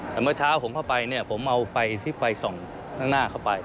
แต่เมื่อเช้าผมเข้าไปเนี่ยผมเอาไฟที่ไฟส่องข้างหน้าเข้าไป